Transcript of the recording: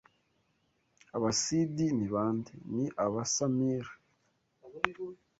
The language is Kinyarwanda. "Aba CD ni bande?" "Ni aba Samir."